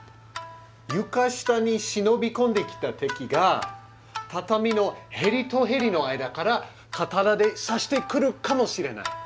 床下に忍び込んできた敵が畳のへりとへりの間から刀で刺してくるかもしれない。